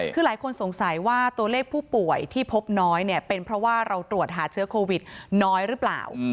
คือหลายคนสงสัยว่าตัวเลขผู้ป่วยที่พบน้อยเนี่ยเป็นเพราะว่าเราตรวจหาเชื้อโควิดน้อยหรือเปล่า